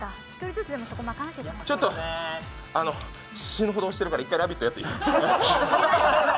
死ぬほど押してるから１回「ラヴィット！」やっていい？